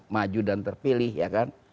maju dan terpilih ya kan